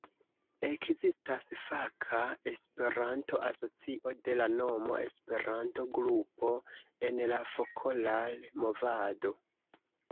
Ekzistas faka Esperanto-asocio de la nomo Esperanto-grupo en la Fokolar-Movado.